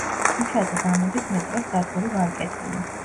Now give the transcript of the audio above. ქუჩაზე გამოდის მეტროს სადგური „ვარკეთილი“.